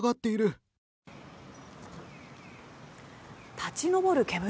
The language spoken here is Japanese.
立ち上る煙。